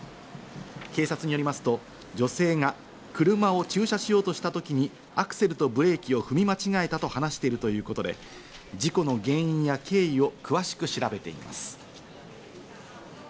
警察によりますと女性が、車を駐車しようとしたときにアクセルとブレーキを踏み間違えたと話しているということで事故の原因や経緯を詳しく調べています。